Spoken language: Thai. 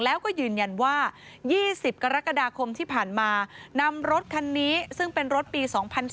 แล้วก็ยืนยันว่า๒๐กรกฎาคมที่ผ่านมานำรถคันนี้ซึ่งเป็นรถปี๒๔